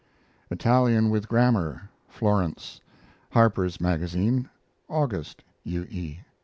ITALIAN WITH GRAMMAR (Florence) Harper's Magazine, August, U. E.